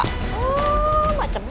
oh pak cemang